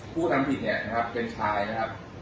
ผู้ทำผิดเนี่ยนะครับเป็นชายนะครับ